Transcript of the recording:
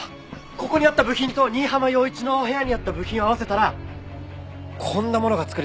ここにあった部品と新浜陽一の部屋にあった部品を合わせたらこんなものが作れちゃう。